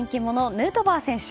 ヌートバー選手。